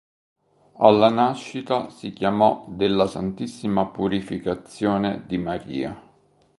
Alla nascita si chiamò della Santissima Purificazione di Maria.